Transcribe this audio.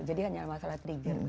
jadi hanya masalah trigger